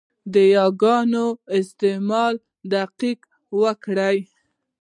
د یاګانو په استعمال کې دقت وکړئ!